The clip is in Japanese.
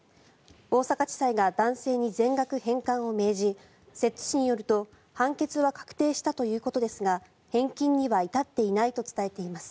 大阪地裁が男性に全額返還を命じ摂津市によると判決は確定したということですが返金には至っていないと伝えています。